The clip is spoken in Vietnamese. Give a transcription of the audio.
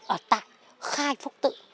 ở tạng khai phúc tự